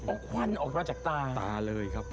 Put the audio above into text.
เอาควันออกมาจากตาตาเลยครับ